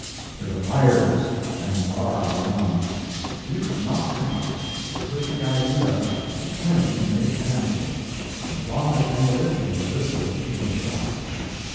—to the fires and far beyond! You could not compass it—it was the idea, of eternity made tangible—and the longest end of it made visible to the naked eye!